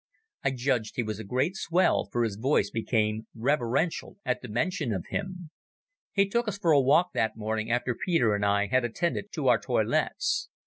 I judged he was a great swell, for his voice became reverential at the mention of him. He took us for a walk that morning after Peter and I had attended to our toilets.